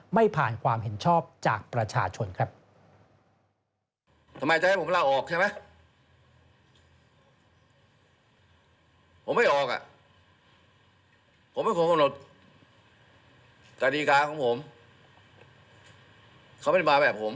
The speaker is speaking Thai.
ไม่ผ่านความเห็นชอบจากประชาชนครับ